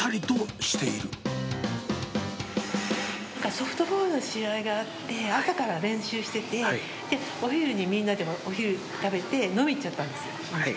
ソフトボールの試合があって、朝から練習してて、お昼にみんなでお昼食べて、飲みに行っちゃったんですよ。